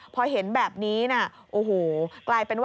พอเห็นแบบนี้นะโอ้โห